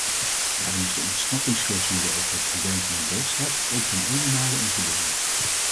Daarom is de ontsnappingsclausule over het probleem van de doodstraf ook ten enenmale onvoldoende.